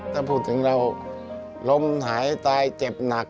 ถ้าพูดถึงเราล้มหายตายเจ็บหนัก